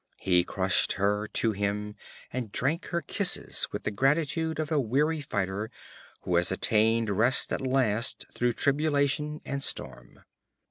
He crushed her to him and drank her kisses with the gratitude of a weary fighter who has attained rest at last through tribulation and storm.